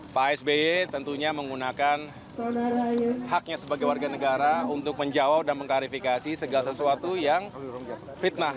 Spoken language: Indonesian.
pak sby tentunya menggunakan haknya sebagai warga negara untuk menjawab dan mengklarifikasi segala sesuatu yang fitnah